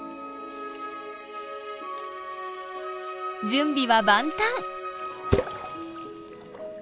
準備は万端！